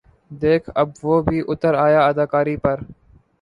دیکھ اب وہ بھی اُتر آیا اداکاری پر